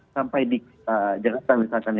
sampai di jakarta misalkan